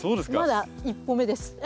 まだ１歩目です。